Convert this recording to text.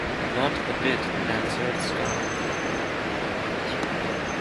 "Not a bit," answered Skye.